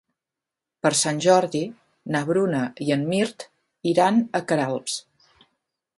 Per Sant Jordi na Bruna i en Mirt iran a Queralbs.